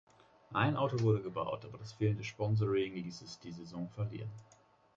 Ein Auto wurde gebaut, aber das fehlende Sponsoring ließ es die Saison verlieren.